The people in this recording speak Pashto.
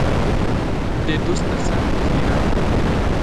• د دوست تر څنګ کښېنه.